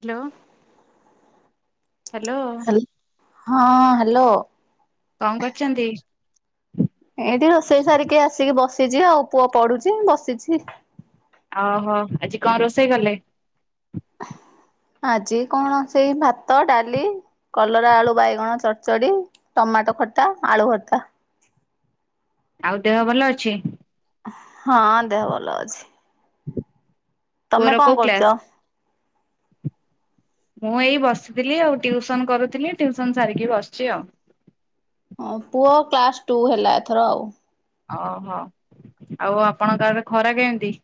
Hello hello. ହଁ hello. କଣ କରଛନ୍ତି? ଏଇଠି ରୋଷେଇ ସାରିକି ଆସିକି ବସିଛି ଆଉ ପୁଅ ପଡୁଛି ବସିଛି। ଓହୋ ଆଜି କଣ ରୋଷେଇ କଲେ? ଆଜି କଣ ସେଇ ଭାତ ଡାଲି କଲରା ଆଳୁ ବାଇଗଣ ଚଡ଼ଚଡି ଟମାଟୋ ଖଟା ଆଳୁ ଭଟା। ଆଉ ଦେହ ଭଲ ଅଛି। ହଁ ଦେହ ଭଲ ଅଛି। ତମେ ପୁଅର କଣ କୋଉ କ୍ଲାସ? କରୁଛ? ମୁଁ ଏଇ ବସିଥିଲି ଆଉ ଟିଉସନ କରୁଥିଲି ଟ୍ୟୁଉସନ ସାରିକି ବସିଛି ଆଉ। ହଁ ପୁଅ କ୍ଲାସ ଟୁ ହେଲା ଏଥର ଆଉ। ଓହୋ ଆଉ ଆପଣ କାରେ ଖରା କେମିତି?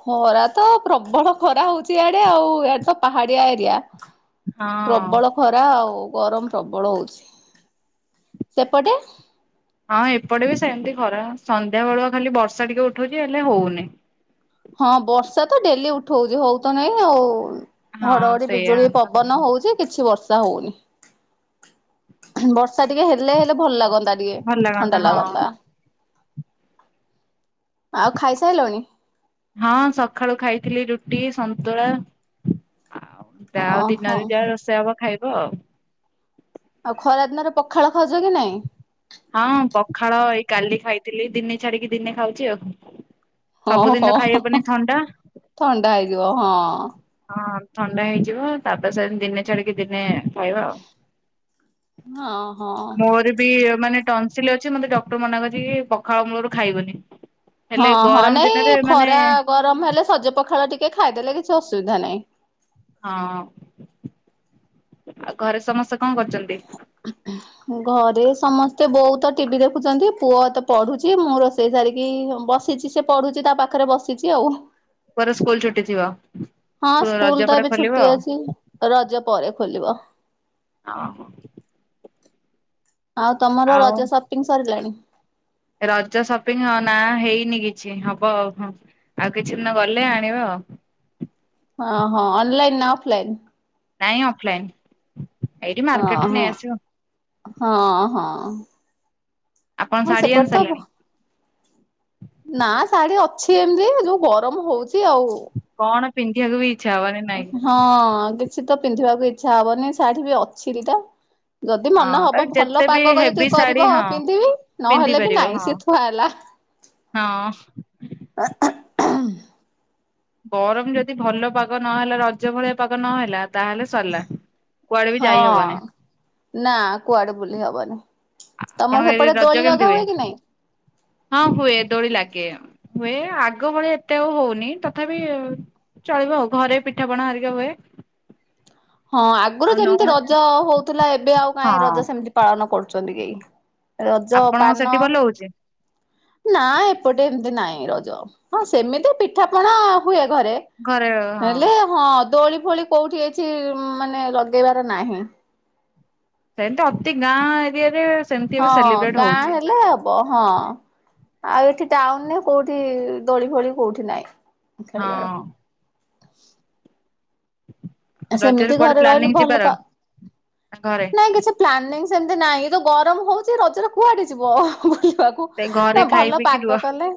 ଖରା ତ ପ୍ରବଳ ଖରା ହଉଛି ଇଆଡେ ଆଉ ଇଡେ ତ ପାହାଡିଆ ଏରିଆ। ହଁ। ପ୍ରବଳ ଖରା ଆଉ ଗରମ ପ୍ରବଳ ହଉଛି ସେପଟେ? ହଁ ଏପଟେ ବି ସେମିତି ଖରା ସନ୍ଧ୍ୟାବେେଳୁ ଖାଲି ବର୍ଷା ଟିକେ ଉଠଉଛି ହେଲେ ହଉନି। ହଁ ବର୍ଷା ତ ଡେଲି ଉଠଉଛି ହଉ ତ ନାଇଁ ଆଉ। ହଁ ଘଡଘଡି ସେଇଆ ବିଜୁଳି ପବନ ହଉଛି। କିଛି ବର୍ଷା ହଉନି ବର୍ଷା ଟିକେ ହେଲେ ହେଲେ ଭଲ ଲାଗନ୍ତା। ଇଏ ଭଲ ଥଣ୍ଡା ହଁ। ଲାଗନ୍ତା। ଆଉ ଖାଇ ସାଇଲଣି? ହଁ ସକାଳୁ ଖାଇଥିଲି ରୁଟି ସନ୍ତୁଳା ଆ ତା ଆଉ ଓହୋ ଦିନରେ ଯା ରୋଷେଇ ହବ ଖାଇବ ଆଉ। ଆଉ ଖରା ଦିନରେ ପଖାଳ ଖାଉଜ କି ନାଇଁ? ହଁ ପଖାଳ ଏଇ କାଲି ଖାଇଥିଲି ଦିନେ ଛାଡିକି ଦିନେ ଖାଉଛି ଆଉ। ଓଁହୋ ସବୁଦିନ ତ ହଁ ଖାଇହବନି ହଁ ଥଣ୍ଡା ଥଣ୍ଡା ହେଇଯିବ ହଁ। ହଁ ଥଣ୍ଡା ହେଇଯିବ ତାପ ସେ ଦିନେ ଛାଡିକି ଦିନେ ଖାଇବା ଆଉ। ହଁ ହଁ। ମୋର ବି ମାନେ ଟନ୍ସିଲ ଅଛି ମତେ ଡକ୍ଟର ମନା କରିଛି କି ପଖାଳ ମୂଳରୁ ଖାଇବନି। ହେଲେ ହଁ ହଁ ଗରମ ନାଇଁ ଦିନରେ ମାନେ ଖରା ଗରମ ହେଲେ ସଜ ପଖାଳ ଟିକେ ଖାଇଦେଲେ କିଛି ଅସୁବିଧା ନାହିଁ। ହଁ। ଆଉ ଘରେ ସମସ୍ତେ କଣ କରୁଛନ୍ତି। ଘରେ ସମସ୍ତେ ବହୁତ ଟି ଭି ଦେଖୁଛନ୍ତି ପୁଅ ତ ପଢୁଛି ମୁଁ ରୋ ଷେଇ ସାରିକି ବସିଛି ସେ ପଢୁଛି ତା ପାଖରେ ବସିଛି ଆଉ। ପର ସ୍କୁଲ ଛୁଟି ଥିବ। ହଁ ରଜ ସ୍କୁଲ ତ ପରେ ଏବେ ଖୋଲିବ ଛୁଟି ଅଛି ରଜ ପରେ ଖୋଲିବ। ଓହୋ। ଆଉ ତମର ଆଉ ରଜ ସପିଙ୍ଗ୍ ସରିଲାଣି? ରଜ ସପିଙ୍ଗ ହ ନା ହେଇନି କିଛି ହବ ଆଉ ହଁ। ଆଉ କିଛି ଦିନ ଗଲେ ଆଣିବା ଆଉ। ହଁ ହଁ ଅନଲାଇନ୍ ନା ଅଫ୍‌ଲାଇନ୍? ନାଇଁ ଅଫଲାଇନ୍। ହଁ ହଁ ହଁ ହଁ। ଆପଣ ହଁ ଶାଢୀ ଆଣି ସେପେଟ ତ ବ ସାରିଲେଣି? ନା ଶାଢୀ ଅଛି ଏମିତି ଯୋଉ ଗରମ ହଉଛି ଆଉ। କଣ ପିନ୍ଧିବାକୁ ବି ଇଚ୍ଛା ହବନି ନାଇଁ। ହଁ କିଛି ତ ପିନ୍ଧିବାକୁ ଇଚ୍ଛା ହବନି ଶାଢୀ ବି ଅଛି ଦି ଟା। ଯଦି ମନେ ହଁ ତା ହବ ଭଲ ଯେତେ ବି ପାଗ କରିଛି ହେଭି ଶାଢୀ କରିବ ହଁ ପିନ୍ଧିବି ପିନ୍ଧି ନହେଲେ ବି ପାରିବ ନାଇଁ ହଁ। ସିଏ ଥୁଆ ହେଲା। ହଁ। [inaudible] ଗରମ ଯଦି ଭଲ ପାଗ ନହେଲା ରଜ ଭଳିଆ ପାଗ ନ ହେଲା ତାହେଲେ ସରିଲା। କୁଆଡେ ବି ହଁ ଯାଇ ହବନି ନା କୁଆଡେ ବୁଲି ହବନି। ଆପଣଙ୍କ ତମର ଏଇ ସେପଟେ ରଜ ଦୋଳି କେମିତି ଲଗା ହୁଏ କି ନାଇଁ? ହଁ ହୁଏ ଦୋଳି ଲାଗେ। ହୁଏ ଆଗ ଭଳିଆ ଏତେ ଆଉ ହଉନି ତଥାପି ଚଳିବ ଆଉ ଘରେ ପିଠାପଣା ହରିକା ହୁଏ। ହଁ ଆଗରୁ ଆଉ ଯେମିତି ନହେଲେ ରଜ ହଉଥିଲା ଏବେ ଆଉ ହଁ କାହିଁ ରଜ ସେମିତି ପାଳନ କରୁଛନ୍ତି କେହି। ରଜ ଆପଣଙ୍କ ପାନ ସେଠି ଭଲ ହଉଛି। ନା ଏପଟେ ଏମତି ନାଇଁ ରଜ ହଁ ସେମିତି ପିଠାପଣା ହୁଏ ଘରେ। ଘରେ ହଁ। ହେଲେ ହଁ ଦୋଳି ଫୋଳି କୋଉଠି ଏଛି ମାନେ ଲଗେଇବାର ନାହିଁ। ସେମିତି ଅତି ଗାଁ ଏରିଆରେ ସେମିତି ହଁ ଏବେ ସେଲିବ୍ରେଟ ଗାଁ ହଉଛି ହେଲେ ବ ହଁ ଆଉ ଏଠି ଟାଉନରେ କୋଉଠି ଦୋଳି ଫୋଳି କୋଉଠି ନହିଁ। ହଁ। ରଜରେ ସେମିତି କୁଆଡେ ଘରେ ରହିଲୁ ପ୍ଲାନିଂ ଭଲ ଯିବାର ପା ନା ଘରେ? ନାଇଁ କିଛି ପ୍ଲାନିଂ ସେମତି ନାହିଁ ତ ଗରମ ହଉଛି ରଜରେ କୁଆଡେ ଯିବ ବୁଲିବାକୁ। ସେ ଘରେ ନା ଖାଇ ଭଲ ପିଇକି ପାଗ ରୁହ କଲେ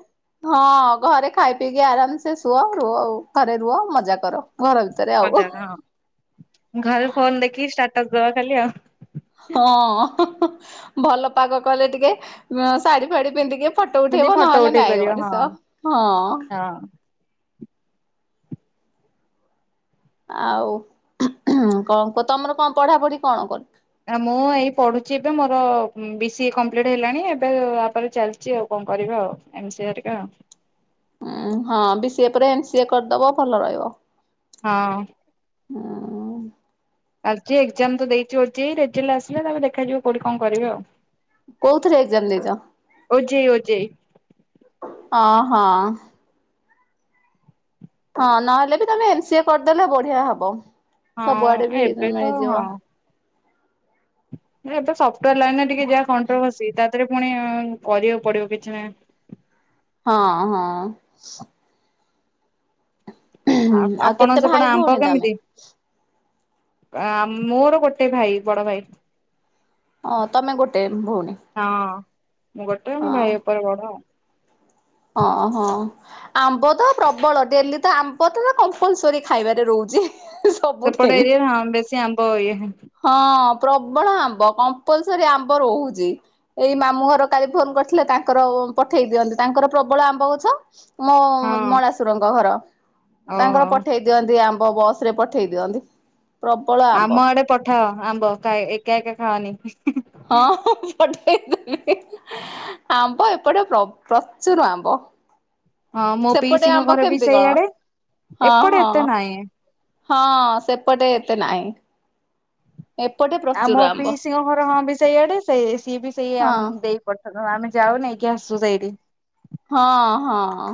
ହଁ ଘରେ ଖାଇ ପିଇକି ଆରାମସେ ଶୁଅ ରୁହ ଆଉ ଘରେ ରୁହ ମଜା କର ଘର ଭିତରେ ମଜା ଆଉ। ହଁ। ଘରେ ଫୋନ ଦେଖି ଷ୍ଟାଟସ ଦେବା ଖାଲି ଆଉ। ହଁ ଭଲ ପାଗ କଲେ ଟିକେ ଶାଢ଼ୀ ଫାଢ଼ି ପିନ୍ଧିକି ଫଟୋ ଯଦି ଉଠେଇବ ଫଟୋ ନହେଲେ ଉଠେଇ ନାଇଁ ପାରିବ ହଁ ମଣିଷ ହଁ। ହଁ। ଆଉ କଣ ତମର କଣ ପଢାପଢି କଣ କର? ନା ମୁଁ ଏଇ ପଢୁଛି ଏବେ ମୋର ବି ସି ଏ କମ୍ପ୍ଲିଟ୍ ହେଲାଣି ଏବେ ତାପରେ ଚାଲିଛି ଆଉ କଣ କରିବା ଆଉ। ଏମ ସି ଏ ହରିକା। ଉଁ ହଁ ବି ସି ଏ ପରେ ଏନ୍ ସି ଏ କରିଦବ ଭଲ ରହିବ। ହଁ। ହୁଁ। ଆଲିଛି ଏକ୍ଜାମ ତ ଦେଇଛି ଓ ଯେ ଇ ରେ ରେଜଲ୍ଟ ଆସିଲେ ତମେ ଦେଖାଯ ଯିବ କୋଉଠି କଣ କରିବେ ଆଉ। କୋଉଥିରେ ଏକ୍ଜାମ୍ ଦେଇଛ? ଓ ଜେ ଇ ଓ ଜେ ଇ ହଁ ହଁ। ହଁ ନହେଲେ ବି ତମେ ଏନ ସିଏ କରିଦେଲେ ବଢିଆ ହବ ହଁ ସବୁଆଡେ ବି ଏବେ ତ ମିଳିଯିବ। ହଁ। ନା ଏବେ ସଫ୍ଟୱାର ଲାଇନ ରେ ଟିକେ ଯାହା କଣ୍ଟ୍ରୋଭସି ତା ଦେହରେ ପୁଣି କରିବାକୁ ପଡିବ କିଛି ନାହିଁ। ହଁ ହଁ। ଆ ଆଉ ଆପଣ କେତେ ଭାଇ ସେପଟେ ଆମ୍ବ ଭଉଣୀ ତମେ? କେମିତି ମୋର ଗୋଟେ ଭାଇ ବଡ ଭାଇ। ହଁ ତମେ ଗୋଟେ ଭଉଣୀ? ହଁ ମୁଁ ଗୋଟେଉ ମୋ ହଁ ଭାଇ ଉପ ଉପରେ ବଡ ଆଉ। ଓ ହଁ। ଆମ୍ବ ତ ପ୍ରବଳ ଡେଲି ତ ଆମ୍ବ ତ କମ୍ପଲସରୀ ଖାଇବାରେ ରହୁଛି। ସେପଟ ସବୁଦିନ। ଏରିଆରେ ହ ବେଶୀ ଆମ୍ବ ଇଏ ହଁ ପ୍ରବଳ ଆମ୍ବ କମ୍ପଲସର ଆମ୍ବ ରହୁଛି। ଏଇ ମାମୁଁ ଘର କାଲି ଫୋନ କରିଥିଲେ ତାଙ୍କର ପଠେଇ ଦିଅନ୍ତି ତାଙ୍କର ପ୍ରବଳ ଆମ୍ବ ଗଛ। ମୋ ମଳାସୁରଙ୍କ ଘର ଓହୋ। ତାଙ୍କର ପଠେଇ ଦିଅନ୍ତି ଆମ୍ବ ବସ ରେ ପଠେଇ ଦିଅନ୍ତି। ପ୍ରବଳ ଆମ୍ବ। ଆମ ଆଡେ ପଠାଅ ଆମ୍ବ ଏକା ଏକା ଖାଅନି। ହଁପଟ ଆମ୍ବ ଏପଟେ ପ୍ରଚୁର ଆମ୍ବ ହଁ ମୋ ସେପଟେ ପିଇସିଙ୍କ ଆମ୍ବ ଘରେ ବି କେମିତି କଣ? ସେଇଆଡେ ହଁ ଏପଟେ ହଁ ଏତେ ନହିଁ। ହଁ ସେପଟେ ଏତେ ନାହିଁ। ଏପଟ ଆମ ପି ସିଂଙ୍କ ଘର ହଁ ବି ସେଇଆଡେ ସେ ସିଏ ବି ସେଇ ହଁ ଦେଇ ପଠ ଆମେ ଯାଉନ ନେଇକି ଆସୁ ସେଇଠି ହଁ ହଁ।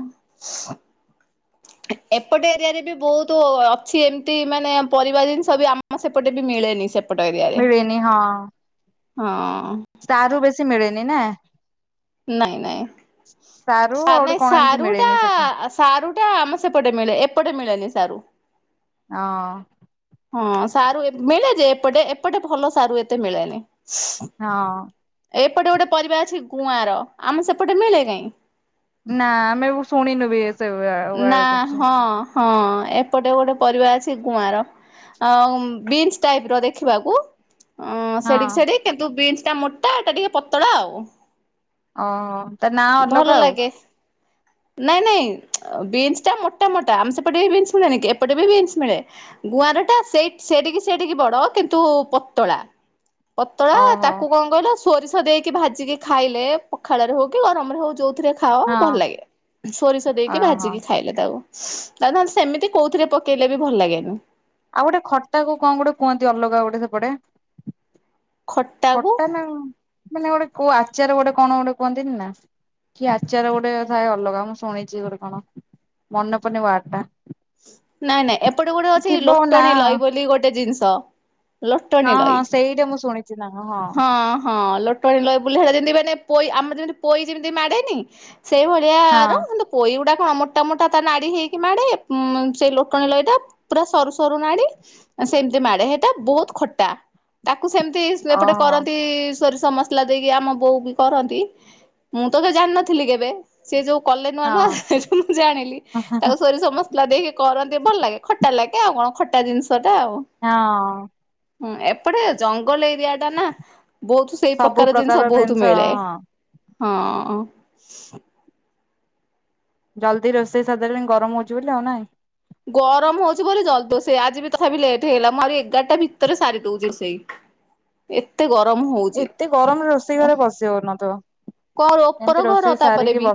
[inaudible] ଏପଟେ ଏରିଆରେ ବି ବହୁତ ଅଛି ଏମତି ମାନେ ପରିବା ଜିନିଷ ବି ଆମ ସେପଟେ ବି ମିଳେନି ସେ ପଟରିଆରେ ମିଳେନି ହଁ।। ତ ରୁ ବେଶୀ ମିଳେନି ନା ନାଇଁ ନାଇଁ ସାରୁ ଆ ଆଉ ଗୋଟେ ନାଇଁ କଣ ଏମିତି ସାରୁ ଟା ମିଳେନି ସେପଟେ ସାରୁଟା ଆମ ସେପଟେ ମିଳେ ଏପଟେ ମିଳେନି ସାରୁ ହଁ। ହଁ ସାରୁ ମିଳେ ଯେ ଏପଟେ ଏପଟେ ଭଲ ସାରୁ ଏତେ ମିଳେନି। ହଁ। ଏପଟେ ଗୋଟେ ପରିବା ଅଛି ଗୁଆଁର ଆମେ ସେପଟେ ମିଳେ କାହିଁ। ନା ଆମେ ଶୁଣିନୁ ବି ସେ ନା ଆଳୁ କରୁଛି ହଁ, ହଁ, ଏପଟେ ଗୋଟେ ପରିବା ଅଛି ଗୁଆଁର। ଆ ବିନ୍ସ ଟାଇପ ର ଦେଖିବାକୁ। ହଁ ସେଡିକି ସେଡି କିନ୍ତୁ ବିନ୍ସ ଟା ମୋଟା ସେଟା ଟିକେ ପତଳା ଆଉ। ଓହୋ ତା ନାଁ ଅଲଗା ଭଲ ଆଉ ଲାଗେ, ନାଇଁ, ନାଇଁ। ବିନ୍ସ ଟା ମୋଟା ମୋଟା ଆମେ ସେପଟେ ବିନ୍ସ ମିଳେନି କି, ଏପଟେ ବିନ୍ସ ମିଳେ। ଗୁଆଁର ଟା ସେ ସେଡିକି ସେଡିକି ବଡ କିନ୍ତୁ ପତଳା। ପତଳା ଓହୋ। ତାକୁ କଣ କହିଲ? ସୋରିଷ ଦେଇକି ଭାଜିକି ଖାଇଲେ, ପଖାଳ ରେ ହଉ କି ଗରମରେ ହଉ ଯଉଥିରେ ଖାଅ ହଁ। ଭଲ ଲାଗେ, ସୋରିଷ ଦେଇକି। ଓହୋ ଭାଜିକି ଖାଇଲେ ତାକୁ ତା ତାହେଲେ ସେମିତି କୋଉଥିରେ ପକେଇଲେ ବି ଭଲ ଲାଗେନି। ଆଉ ଗୋଟେ ଖଟା କୁ କଣ ଗୋଟେ କୁହନ୍ତି, ଅଲଗା ଗୋଟେ ସେପଟେ? ଖଟାକୁ ଖଟା ନା ମାନେ ଗୋଟେ କୋଉ ଆଚାର ଗୋଟେ କଣ ଗୋଟେ କୁହନ୍ତିନି ନା? କି ଆଚାର ଗୋଟେ ଥାଏ ଅଲଗା ମୁଁ ଶୁଣିଛି ଗୋଟେ କଣ ମନେ ପଡୁନି ୱାର୍ଡ ଟା। ନାଇଁ, ନାଇଁ, ଏପଟେ ଗୋଟେ ଅଛି ଥିବ ନା ଲୋଟଣୀ ଲଈ ବୋଲି ଗୋଟେ ଜିନିଷ। ଲଟଣୀ ହଁ ଲଈ, ହଁ ସେଇଟା ମୁଁ ଶୁଣିଛି ନା ହଁ, ହଁ, ଲ ଟଣି ଲଈ ବୋଲି ସେଡ଼ା ଯେମତି ମାନେ ପ ଆମର ଯେମିତି ପୋଇ ଯେମିତି ମାଡ଼େନି ସେଇଭଳିଆ ହଁ। ନ୍ତୁ ପୋଇ ଗୁଡା କଣ ମୋଟା ମୋଟା ତା ନାଡ଼ି ହେଇକି ମାଡ଼େ। ଉଁ ସେଇ ଲୋଟଣୀ ଲଈ ଟା ପୁରା ସରୁ ସରୁ ନାଡି। ସେମିତି ମାଡେ ସେଇଟା ବହୁତ ଖଟା ତାକୁ ସେମିତି ଏପଟେ ଓହୋ କରନ୍ତି। ସୋରିଷ ମସଲା ଦେଇକି ଆମ ବୋଉ ବି କରନ୍ତି, ମୁଁ ତ ଜାଣିନଥିଲି କେବେ? ସେ ଯୋଉ କଲେ ନୂଆ ନୁଆଁ ହଁ ସେ ମୁଁ ଜାଣିଲି ତାକୁ ସୋରିଷ ମସ ଲା ଦେଇକି କରନ୍ତି ଭଲ ଲାଗେ ଖଟା ଲାଗେ ଆଉ କଣ ଖଟା ଜିନିଷଟା ଆଉ। ହଁ। ହୁଁ ଏପଟେ ଜଙ୍ଗଲ ଏରିଆ ଟା ନା। ବହୁତ ସେଇ ପ୍ରକାର ଜିନିଷ ବହୁତ ମିଳେ ହଁ। ଜଲ୍ଦି ରୋଷେଇ ସାରାଲେଣି ଗରମ ହଉଛି ବୋଲି ଆଉ ନାଇଁ? ଗରମ ହଉଛି ବୋଲି ଜଲ୍ଦ ସେ ଆଜି ବି ତଥାପି ଲେଟ୍ ହେଇଗଲା, ମୁଁ ଆରି ଏଗାରଟା ଭିତରେ ସାରି ଦଉଛି ରୋଷେଇ। ଏତେ ଗରମ ହ ଏତେ ଗରମରେ ରୋଷେଇ ଘରେ ପଶିହଉନଥିବ? କଣ ଉପର ଘର ତାପରେ ବି?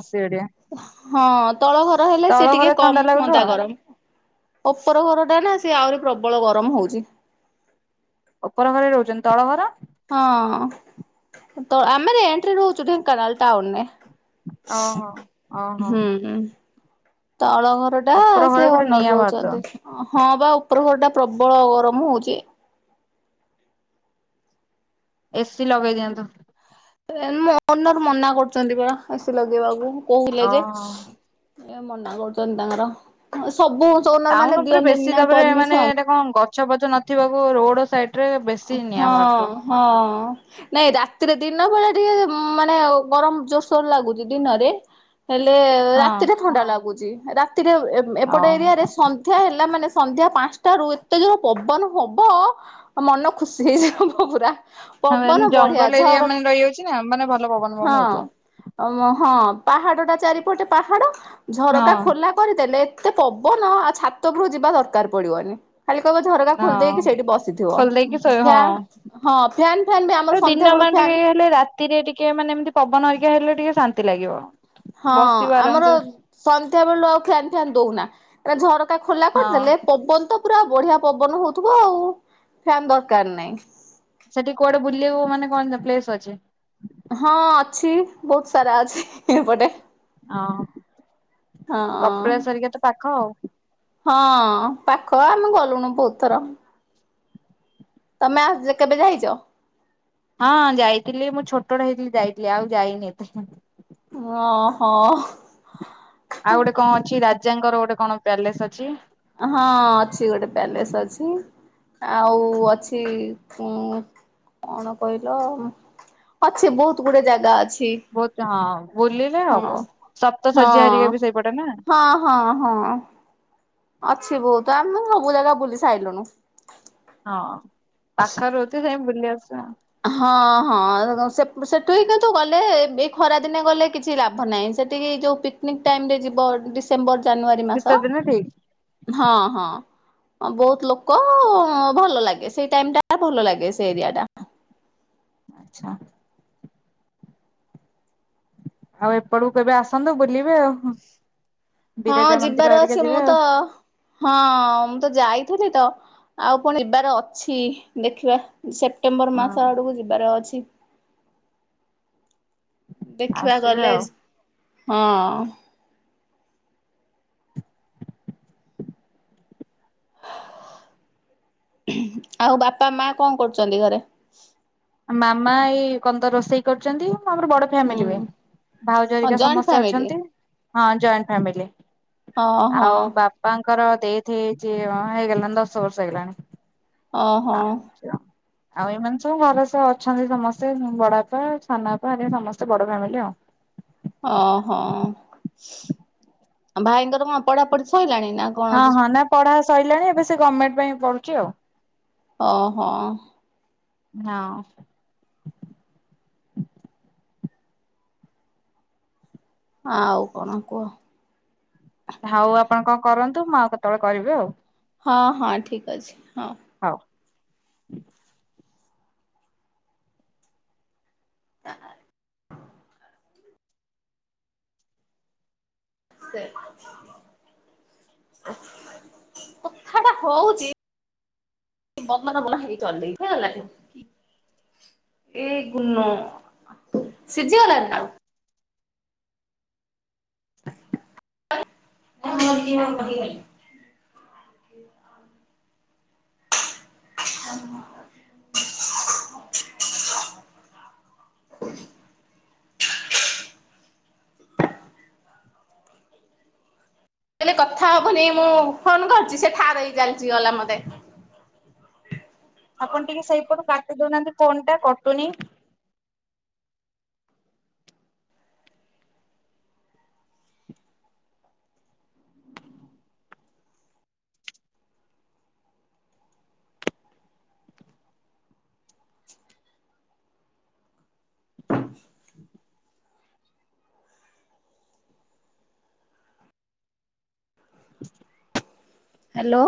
ହଁ ତଳ ଘର ହେଲେ ତଳ ସେ ଟିକେ ଘରେ କମ୍ ଥଣ୍ଡା ଲାଗୁଥିବ ହୁଅନ୍ତା ଗରମ। ଗୁପର [unintelligible] ଟା ନା ସିଏ ଆହୁରି ପ୍ରବଳ ଗରମ ହଉଛି। ଉପର ଘରେ ରହୁଛନ୍ତି ତଳ ଘର? ହଁ, ତ ଆମେ ରେଣ୍ଟରେ ରହୁଛୁ ଢେଙ୍କାନାଲ ଟାଉନରେ। ଓହୋ ହୁଁ, ଓହୋ। ହୁଁ। ତଳ ଘର ଟା ଉପର ଘରେ ସେ ପୁରା ଓନର୍ ନିଆଁ ବାହାରୁଥିବ। ରହୁଛନ୍ତି। ହଁ ବା ଉପର ଘର ଟା ପ୍ରବଳ ଗରମ ହଉଛି। ଏସି ଲଗେଇ ଦିଅନ୍ତୁ। ଓନର ମନା କରୁଛନ୍ତି ପରା, ଏସି ଲଗେଇବାକୁ କହୁଥିଲେ ଯେ। ଓହୋ। ଏ ମନା କରୁଛନ୍ତି ତାଙ୍କର ସବୁ ଓନର ମାନେ ଟାଉନ ଉପରେ ଦିଅନ୍ତିନି ବେଶୀ ନା ତାପରେ ମାନେ ପରମିସନ ଏଟା କଣ ଗଛ ବଛ ନଥିବାକୁ ରୋଡ ସାଇଡ। ରେ ବେଶୀ ନିଆଁ ହଁ, ବାହାରୁଥିବ। ହଁ। ନାଇଁ ରାତିରେ ଦିନ ବେଳେ ଟିକେ ମାନେ ଗରମ ଜୋର୍ ସୋର ଲାଗୁଛି ଦିନରେ। ହେଲେ ହଁ। ରାତିରେ ଥଣ୍ଡା ଲାଗୁଛି ରାତିରେ ଏପଟ ଓହୋ ଏରିଆ ରେ ସନ୍ଧ୍ୟା ହେଲା ମାନେ ସନ୍ଧ୍ୟା ପାଞ୍ଚଟା ରୁ ଏତେ ଯୋର ପବନ ହବ। ମନ ଖୁସି ହେଇଯିବ ପୁରା। ହଁ ପବନ ବଢିଆ ଜଙ୍ଗଲ ଏରିଆ ଝର ମାନେ ରହିଯାଉଛି ନା ମାନେ ଭଲ ପବନ ଫବନ ହଉଥିବ। ହଁ ହଁ ପାହାଡ ଟା ଚାରିପଟେ ପାହାଡ ହଁ। ଝରକା ଖୋଲା କରିଦେଲେ ଏତେ ପବନ ଆଉ ଛାତଗରୁ ଯିବା ଦରକାର ପଡିବନି। ଖାଲି କହିବ ଝରକା ଖୋଲିଦେଇକି ହଁ ସେଇଠି ବସିଥିବ। ଖୋଲିଦେଇକି ଶୋଇ ହଁ। ଫ ହଁ ଫ୍ୟାନ୍ ଫନ୍ ବି ଆମର ସନ୍ଧ୍ୟାବେେଳୁ ଫ୍ୟାନ୍ ନ ଟିକେ ମାନେ ଏମିତି ପବନ ଅରିକା ହେଲେ ଟିକେ ଶାନ୍ତି ଲାଗିବ। ହଁ ବସିବ ଆମର ଆରାମସେ ସନ୍ଧ୍ୟା ବେଳୁ ଆଉ ଫ୍ୟାାନ ଫି୍ୟାାନ ଦଉନା ଝରକା ଖୋଲା ହଁ। କରିଦେଲେ ପବନ ତ ପୁରା ବଢିଆ ପବନ ହଉଥିବ ଆଉ ଫ୍ୟାାନ ଦରକାର ନାହିଁ। ସେଠି କୁଆଡେ ବୁଲିବୁ ମାନେ କଣ ପ୍ଲେସ ଅଛି? ହଁ ଅଛି ବହୁତ ସାରା ଅଛି ଏପଟେ। ହଁ ହଁ କପିଳାସ ହେରିକା ତ ପାଖ ଆଉ। ହଁ ପାଖ ଆମେ ଗଲୁଣି ବହୁତ ଥର। ତମେ [inaudible] କେବେ ଯାଇଛ? ହଁ ଯାଇଥିଲି ମୁଁ ଛୋଟୋ ହେଇଥିଲି ଯାଇଥିଲି ଆଉ ଯାଇନି ଏତ ଓହୋ ଆଉ ଗୋଟେ କଣ ଅଛି ରାଜାଙ୍କର ଗୋଟେ କଣ ପ୍ୟାଲେସ ଅଛି। ହଁ ଅଛି ଗୋଟେ ପ୍ୟାଲେସ ଅଛି। ଆଉ ଅଛି। କଣ କହିଲ ଅଛି ବହୁତ ଗୁଡେ ଜାଗା ଅଛି। ବହୁତ ହଁ ବୁଲିଲେ ହଁ। ହବ ସପ୍ତ ହଁ ଶଯ୍ୟା ହାରିକ ବି ସେଇପଟେ ନା। ହଁ ହଁ ହଁ। ଅଛି ବୋହୁତ ତ ଆମେ ସବୁ ଜାଗା ବୁଲି ସାରିଲୁନୁ। ହଁ ପାଖ ରେ ରହୁଥିବେ ସୋଇ ବୁଲି ଆସିବା ଆଉ। ହଁ ହଁ ସେପୁ ସେଠୁ ହି କିନ୍ତୁ ଗଲେ ଏ ଖରାଦିନେ ଗଲେ କିଛି ଲାଭ ନାହିଁ ସେଠିକି ଯୋଉ ପିକନିକ ଟାଇମ ରେ ଯିବ ଡିସେମ୍ବର ଜାନୁଆରୀ ଶୀତ ମାସ ଦିନେ ଠିକ ହଁ ହଁ। ବହୁତ ଲୋକ ଭଲ ଲାଗେ ସେଇ ଟାଇମ ଟା ଭଲ ଲାଗେ ସେ ଏରିଆ ଟା। ଆଛା। ଆଉ ଏପଟକୁ କେବେ ଆସନ୍ତୁ ବୁଲିବେ ଆଉ। ହଁ ବିରଜା ମନ୍ଦିର ଯିବାର ହେରିକା ଅଛି ଯିବେ ମୁଁ ଆଉ ତ ହଁ ମୁଁ ତ ଯାଇଥିଲି ତ। ଆଉପୁଣି ଯିବାର ଅଛି ଦେଖିବା ସେ ସେପ୍ଟେମ୍ବର ହଁ ମାସ ଆଡକୁ ଯିବାର ଅଛି। ଦେଖିବା ଆସିବେ ଗଲେ ଆଉ। ହଁ। ଆଉ ବାପା ମା କଣ କରୁଚନ୍ତି ଘରେ? ମାମା ଏଇ କନ୍ତ ରୋଷେଇ କରୁଚନ୍ତି। ଆମର ବଡ ହୁଁ [unintelligible] ହଁ ଭାଉଜରିକା ଜଏଣ୍ଟ ସମସ୍ତେ ଫ୍ୟାମିଲି ଅଛନ୍ତି। ହଁ ଜଏଣ୍ଟ ଫ୍ୟାମିଲି। ଓହୋ ଆଉ ବା ବାପାଙ୍କର ଦେଥ ହେଇଛି ହେଇଗଲାଣି ଦଶ ବର୍ଷ ହେଇଗଲାଣି। ଓହୋ ଆଉ ଆଉ ଏମାନେ ସବୁ [unintelligible] ତ ଅଛନ୍ତି ସମସ୍ତେ ବଡପା ସାନ ବାପା ଆ ସମସ୍ତେ ବଡ ଫ୍ୟାମିଲି ଆଉ। ଓହୋ ଭାଇଙ୍କର କଣ ପଢାପଢି ସରିଲାଣି ନା? କଣ? ହଁ ହଁ ନା ପଢା ସଇଲାଣି ଏବେ ସେ ଗମେଣ୍ଟ ପାଇଁ ପଢୁଛି ଆଉ। ଓହୋ। ହଁ। ଆଉ କଣ କୁହ? ହଉ ଆପଣ କଣ କରନ୍ତୁ ମୁଁ ଆଉ କେତେବେଳେ କରିବି ଆଉ। ହଁ ହଁ ଠିକ୍ ଅଛି ହଁ। ହଉ। [unintelligible] କଥା ଟା ହଉଚି [unintelligible] ଏଇ ଗୁନୁ [unintelligible] ନାଉ ହ [inaudible] [unintelligible] କୋଇଲେ କଥା ହବ ନି ମୁଁ ଫୋନ କରୁଚି ସେ ଠାର ହେଇ ଚାଲିଚି ଗଲା ମତେ। ଆପଣ ଟିକେ ସେଇପଟୁ କାଟି ଦଉନାଆନ୍ତି ଫୋନ ଟା କଟୁନି। ହ୍ୟାଲୋ।